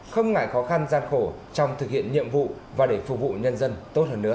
không ngại khó khăn gian khổ trong thực hiện nhiệm vụ và để phục vụ nhân dân tốt hơn nữa